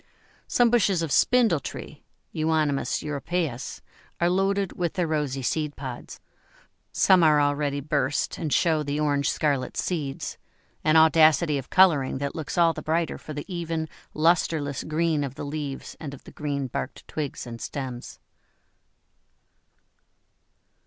Some bushes of Spindle tree (Euonymus europæus) are loaded with their rosy seed pods; some are already burst, and show the orange scarlet seeds an audacity of colouring that looks all the brighter for the even, lustreless green of the leaves and of the green barked twigs and stems.